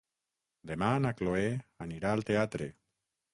Demà na Cloè anirà al teatre.